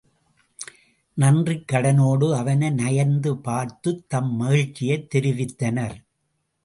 நன்றிக் கடனோடு அவனை நயந்து பார்த்துத் தம் மகிழ்ச்சியைத் தெரிவித்தனர்.